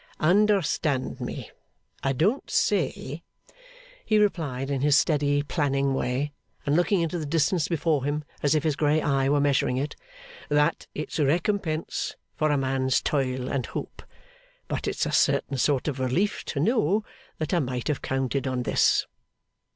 'Understand me! I don't say,' he replied in his steady, planning way, and looking into the distance before him as if his grey eye were measuring it, 'that it's recompense for a man's toil and hope; but it's a certain sort of relief to know that I might have counted on this.